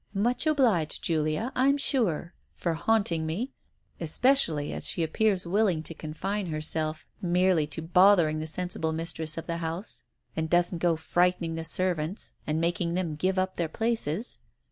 "Much obliged to Julia, I'm sure, for haunting me, especially as she appears willing to confine herself merely to bothering the sensible mistress of the house, and doesn't go frightening the servants and making them give up their places.